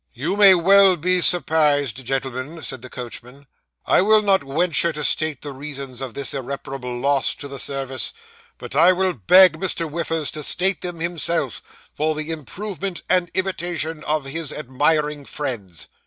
'You may well be sapparised, gentlemen,' said the coachman. 'I will not wenchure to state the reasons of this irrepairabel loss to the service, but I will beg Mr. Whiffers to state them himself, for the improvement and imitation of his admiring friends.